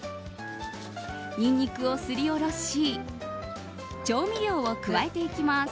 ニンニクをすりおろし調味料を加えていきます。